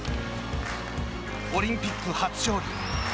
オリンピック初勝利。